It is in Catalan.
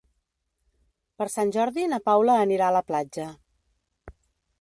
Per Sant Jordi na Paula anirà a la platja.